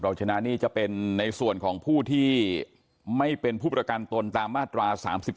ชนะนี่จะเป็นในส่วนของผู้ที่ไม่เป็นผู้ประกันตนตามมาตรา๓๒